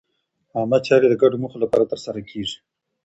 عامه چارې د ګډو موخو لپاره ترسره کېږي.